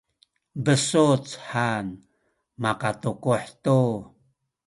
besuc han makatukuh tu